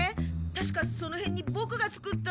たしかそのへんにボクが作った。